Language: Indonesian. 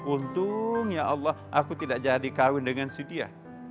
untung ya allah aku tidak jadi kawin dengan si dia